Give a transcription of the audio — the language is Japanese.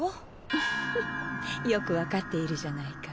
ふふっよく分かっているじゃないか。